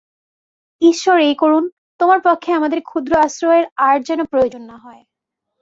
ঈশ্বর এই করুন, তোমার পক্ষে আমাদের ক্ষুদ্র আশ্রয়ের আর যেন প্রয়োজন না হয়।